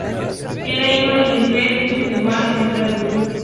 Era hijo de Luis V de Hesse-Darmstadt y Magdalena de Brandeburgo.